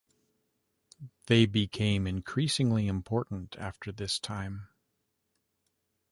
They became increasingly important after this time.